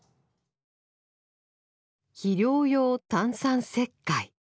「肥料用炭酸石灰」。